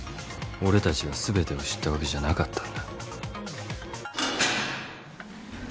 俺たちは全てを知ったわけじゃなかったんだ。